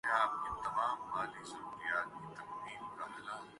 کیا ان کے خلاف فیصلہ نہیں آیا؟